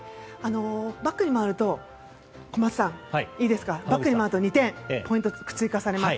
バックに回ると小松さん、いいですか、２点ポイントが追加されます。